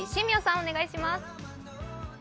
お願いします。